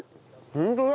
ホントだ！